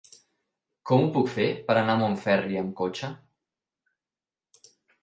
Com ho puc fer per anar a Montferri amb cotxe?